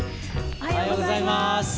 おはようございます。